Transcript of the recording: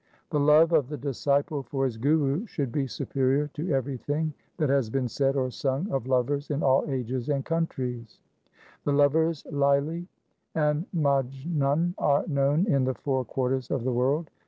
1 The love of the disciple for his Guru should be superior to everything that has been said or sung of lovers in all ages and countries :— The lovers Laili and Majnun are known in the four quarters of the world.